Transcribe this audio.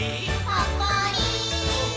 ほっこり。